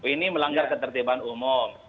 ini melanggar ketertiban umum